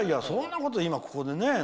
そんなこと、今、ここでね。